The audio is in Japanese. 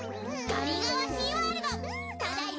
ガリがわシーワールドただいま